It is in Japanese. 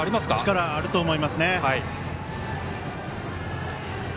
力、あると思います。